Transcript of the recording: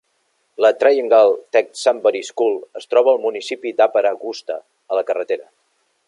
La Triangle Tech Sunbury School es troba al municipi d'Upper Augusta, a la carretera